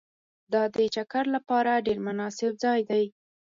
دا د چکر لپاره ډېر مناسب ځای دی